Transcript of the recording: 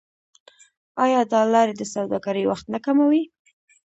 آیا دا لارې د سوداګرۍ وخت نه کموي؟